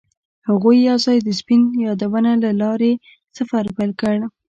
هغوی یوځای د سپین یادونه له لارې سفر پیل کړ.